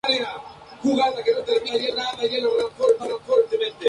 No pudo correr las tres finales por falta de dinero.